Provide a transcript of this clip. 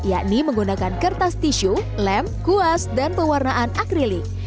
yakni menggunakan kertas tisu lem kuas dan pewarnaan akrilik